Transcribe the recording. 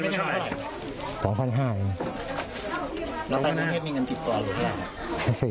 แล้วตั้งแต่นังเมฆมีเงินติดต่อหรือไม่